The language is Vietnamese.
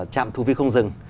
trạm thu phí không dừng